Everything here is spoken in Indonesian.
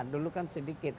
dulu kan sedikit